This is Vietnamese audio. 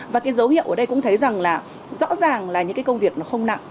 và cái dấu hiệu ở đây cũng thấy rằng là rõ ràng là những cái công việc nó không nặng